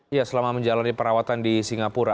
ya selama menjalani perawatan di singapura